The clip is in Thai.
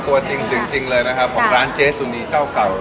ตัวจริงจริงเลยนะครับของร้านเจ๊สุนีเจ้าเก่า